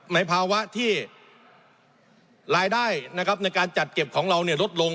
ในภาวะที่รายได้นะครับในการจัดเก็บของเราลดลง